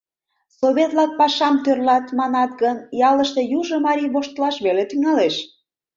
Совет-влак пашам тӧрлат, манат гын, ялыште южо марий воштылаш веле тӱҥалеш: